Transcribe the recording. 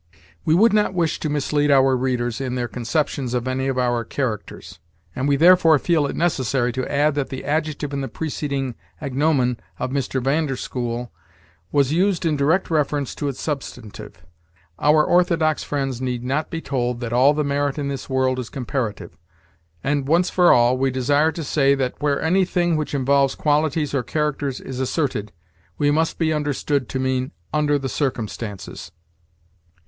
We would not wish to mislead our readers in their conceptions of any of our characters, and we therefore feel it necessary to add that the adjective, in the preceding agnomen of Mr. Van der School, was used in direct reference to its substantive. Our orthodox friends need not be told that all the merit in this world is comparative; and, once for all, we desire to say that, where anything which involves qualities or characters is asserted, we must be understood to mean, "under the circumstances."